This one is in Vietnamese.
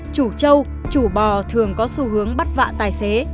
chủ châu chủ bò thường có xu hướng bắt vạ tài xế